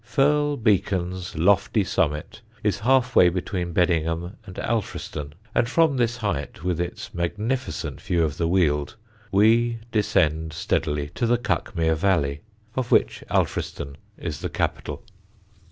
Firle Beacon's lofty summit is half way between Beddingham and Alfriston, and from this height, with its magnificent view of the Weald, we descend steadily to the Cuckmere valley, of which Alfriston is the capital.